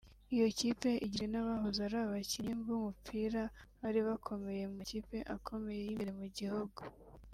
Iyo kipe igizwe n’abahoze ari abakinnyi b’umupira bari bakomeye mu makipe akomeye y’imbere mu gihugu